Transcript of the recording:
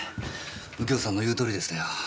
右京さんの言うとおりでしたよ。